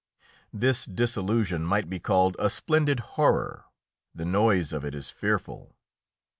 This dissolution might be called a splendid horror; the noise of it is fearful.